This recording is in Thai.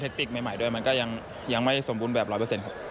แท็กติกใหม่ด้วยมันก็ยังไม่สมบูรณ์แบบร้อยเปอร์เซ็นต์ครับ